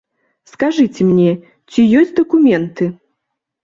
Скажыце мне, ці ёсць дакументы?